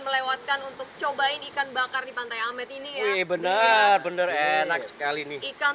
melewatkan untuk cobain ikan bakar di pantai amet ini ya benar benar enak sekali nih ikan